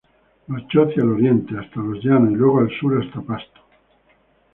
Marchó hacia el Oriente hasta los llanos y luego al sur hasta Pasto.